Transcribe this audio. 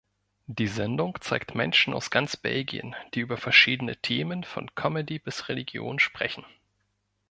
Die Sendung zeigt Menschen aus ganz Belgien, die über verschiedene Themen von Comedy bis Religion sprechen.